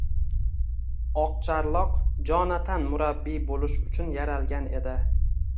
Oqcharloq Jonatan murabbiy bo‘lish uchun yaralgan edi.